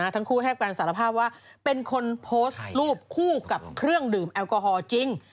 ทั้งคู่ให้การสารภาพว่าเป็นคนโพสต์รูปคู่กับเครื่องดื่มแอลกอฮอล์จริง